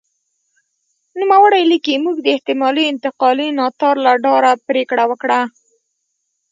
نوموړی لیکي موږ د احتمالي انتقالي ناتار له ډاره پرېکړه وکړه.